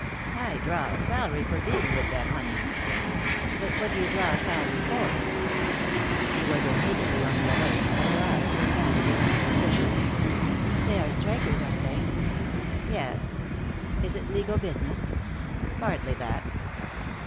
"I draw a salary for being with them, honey." "But what do you draw a salary for?" He was immediately on the alert, but her eyes were candid and unsuspicious. "They are strikers, aren't they?" "Yes." "Is it legal business?" "Partly that."